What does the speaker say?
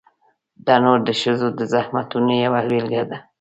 تنور د ښځو د زحمتونو یوه بېلګه ده